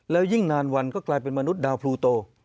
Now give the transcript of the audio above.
แล้วยิ่งนานวันก็กลายเป็นมนุษย์ดาวพลูโต